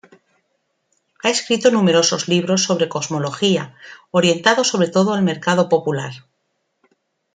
Ha escrito numerosos libros sobre cosmología, orientados sobre todo al mercado popular.